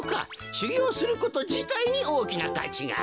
しゅぎょうすることじたいにおおきなかちがある。